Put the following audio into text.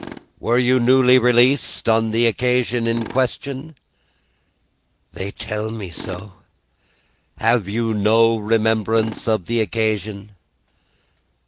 "Were you newly released on the occasion in question?" "They tell me so." "Have you no remembrance of the occasion?"